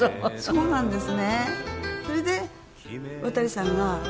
そうなんです。